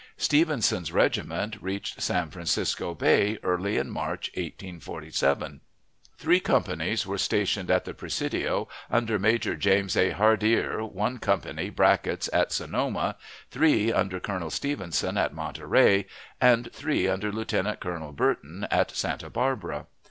Stevenson'a regiment reached San Francisco Bay early in March, 1847. Three companies were stationed at the Presidio under Major James A. Hardier one company (Brackett's) at Sonoma; three, under Colonel Stevenson, at Monterey; and three, under Lieutenant Colonel Burton, at Santa Barbara.